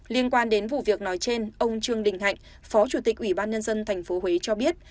liên quan đến vụ việc nói trên ông trương đình hạnh phó chủ tịch ubnd tp huế cho biết